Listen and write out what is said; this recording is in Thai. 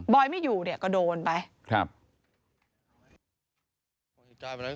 บอยไม่อยู่เนี่ยก็โดนไป